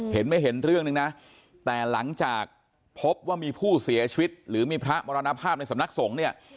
เห็นไม่เห็นเรื่องหนึ่งนะแต่หลังจากพบว่ามีผู้เสียชีวิตหรือมีพระมรณภาพในสำนักสงฆ์เนี่ย